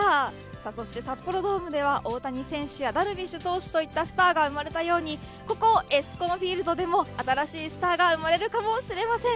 そして札幌ドームでは大谷選手やダルビッシュ投手といったスターが生まれたようにここエスコンフィールドでも新しいスターが生まれるかもしれません。